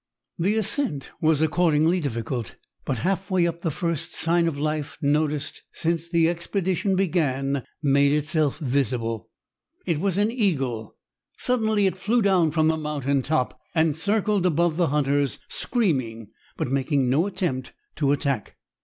The ascent was accordingly difficult, but half way up the first sign of life, noticed since the expedition began, made itself visible. It was an eagle. Suddenly it flew down from the mountain top and circled above the hunters, screaming, but making no attempt to attack.